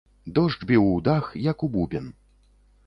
Дождж біў у дах, як у бубен.